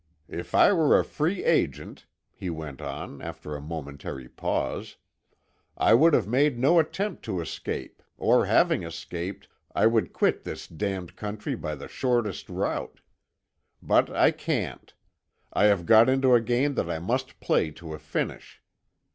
"If I were a free agent," he went on, after a momentary pause, "I would have made no attempt to escape; or having escaped, I would quit this damned country by the shortest route. But I can't. I have got into a game that I must play to a finish.